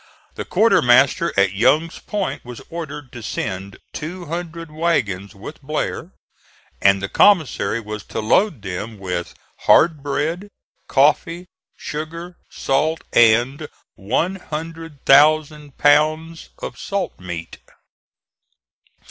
The quartermaster at Young's Point was ordered to send two hundred wagons with Blair, and the commissary was to load them with hard bread, coffee, sugar, salt and one hundred thousand pounds of salt meat.